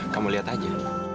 kamu lihat aja